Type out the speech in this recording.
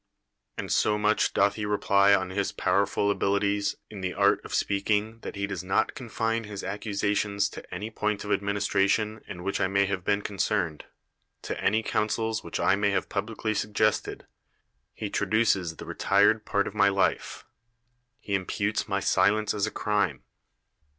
And so nnich doth 2 ' '3 THE WORLD'S FAMOUS ORATIONS he rely on his powerful abilities in the art of speaking that he does not confine his accusations to any point of administration in which I may have been concerned; to any counsels which I may have publicly suggested; he traduces the retired part of my life, he imputes my silence as a crime.